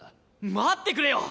待ってくれよ！